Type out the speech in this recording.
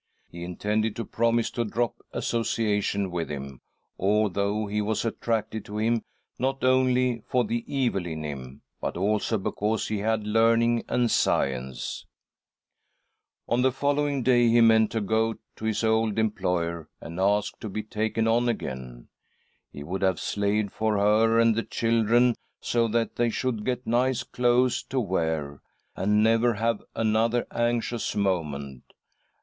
He intended to promise to drop associating with ..'. b*._ r ■ K 124 THY SOUL SHALL BEAR WITNESS 1 ... i A him, although he was attracted to him not only, for the evil in him, but also because he had learning and science. On the following day he meant to go to his old employer and ask to be taken on again. He would have slaved for her and the children, so that they should get nice clothes to wear, and never have another anxious moment.